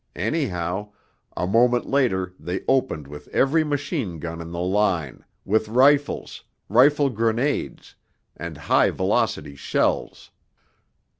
Anyhow, a moment later they opened with every machine gun in the line, with rifles, rifle grenades, and high velocity shells.